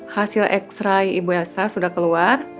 hasil ekstra yang ibu elsa sudah keluar